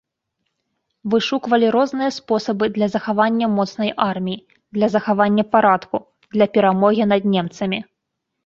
Вышуквалі розныя спосабы для захавання моцнай арміі, для захавання парадку, для перамогі над немцамі.